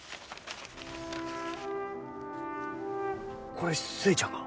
これ寿恵ちゃんが？